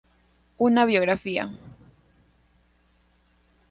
Una biografía.